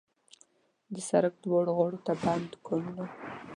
د سړک دواړو غاړو ته بند دوکانونه وو.